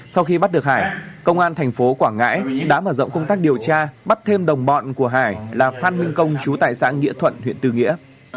sau khi bắt được hải công an thành phố quảng ngãi đã mở rộng công tác điều tra bắt thêm đồng bọn của hải là phan minh công chú tại xã nghĩa thuận huyện tư nghĩa